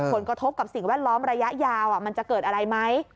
ผลกระทบกับสิ่งแวดล้อมระยะยาวมันจะเกิดอะไรไหม